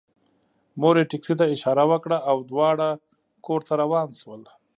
مور یې ټکسي ته اشاره وکړه او دواړه کور ته روان شول